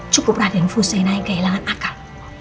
cukup raden fusenai kehilangan akal